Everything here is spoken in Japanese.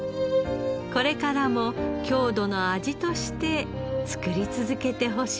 これからも郷土の味として作り続けてほしいですね。